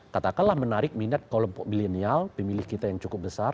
katakanlah menarik minat kelompok milenial pemilih kita yang cukup besar